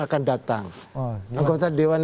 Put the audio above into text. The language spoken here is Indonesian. akan datang anggota dewan